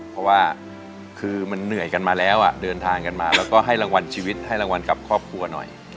เพราะว่าคือมันเหนื่อยกันมาแล้วเดินทางกันมาแล้วก็ให้รางวัลชีวิตให้รางวัลกับครอบครัวหน่อย